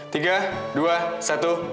tiga dua satu